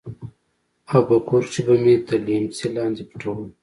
او په کور کښې به مې تر ليمڅي لاندې پټول.